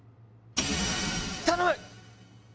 頼む！